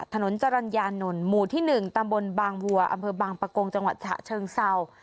ถนนจรรยานนลหมู่ที่หนึ่งตามบนบางวัวอำเภอบางปะโกงจังหวัดชะเชิงเซา